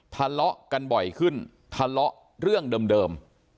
ทะเลาะกันบ่อยขึ้นทะเลาะเรื่องเดิม